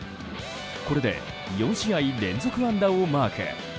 これで４試合連続安打をマーク。